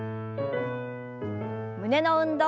胸の運動。